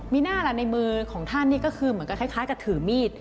อ๋อมีหน้าอะไรในมือของท่านก็คล้ายกับถือมีด